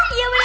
ah iya bener